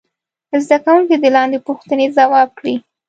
زده کوونکي دې لاندې پوښتنې ځواب کړي.